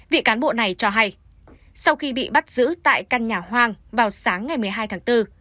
vị cán bộ này cho hay sau khi bị bắt giữ tại căn nhà hoang vào sáng ngày một mươi hai tháng bốn